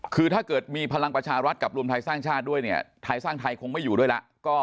คือถ้าเกิดมีพลังประชารัฐกับรวมไทยสร้างชาติด้วยเนี่ยไทยสร้างไทยคงไม่อยู่ด้วยแล้ว